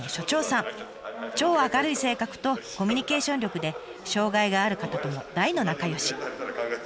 超明るい性格とコミュニケーション力で障害がある方とも大の仲よし。